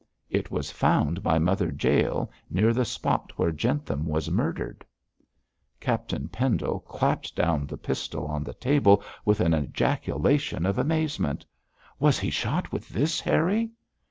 'It was found by Mother Jael near the spot where Jentham was murdered.' Captain Pendle clapped down the pistol on the table with an ejaculation of amazement. 'Was he shot with this, Harry?'